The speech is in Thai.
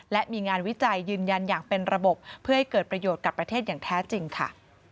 และมีงานวิจัยยืนยันอย่างเป็นระบบเพื่อให้เกิดประโยชน์กับประเทศอย่างแท้จริงค่ะ